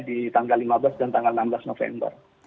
di tanggal lima belas dan tanggal enam belas november